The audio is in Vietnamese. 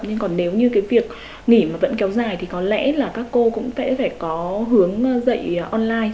nên còn nếu như cái việc nghỉ mà vẫn kéo dài thì có lẽ là các cô cũng sẽ phải có hướng dạy online